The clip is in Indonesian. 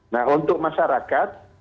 nah untuk masyarakat